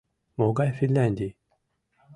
Могай Финляндий?